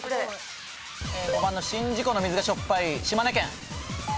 ５番の宍道湖の水がしょっぱい島根県。